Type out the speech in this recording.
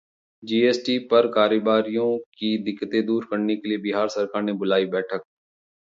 GST पर कारोबारियों की दिक्कतें दूर करने के लिए बिहार सरकार ने बुलाई बैठक